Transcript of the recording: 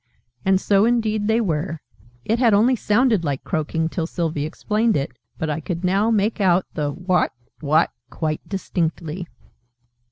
And so indeed they were: it had only sounded like croaking, till Sylvie explained it, but I could now make out the "Wawt? Wawt?" quite distinctly.